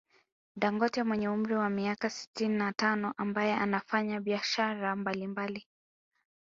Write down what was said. Dangote mwenye umri wa miaka sitini na tano ambaye anafanya biashara mbali mbali